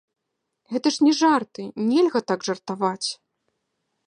Гэта ж не жарты, нельга так жартаваць.